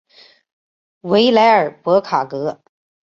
维莱尔博卡格。